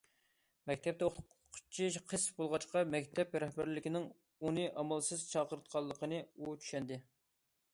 مەكتەپتە ئوقۇتقۇچى قىس بولغاچقا، مەكتەپ رەھبەرلىكىنىڭ ئۇنى ئامالسىز چاقىرتقانلىقىنى ئۇ چۈشەندى.